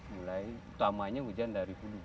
mulai utamanya hujan dari hulu